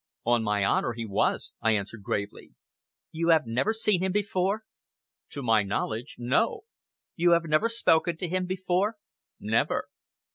"On my honor he was," I answered gravely. "You have never seen him before?" "To my knowledge no!" "You have never spoken to him before?" "Never!"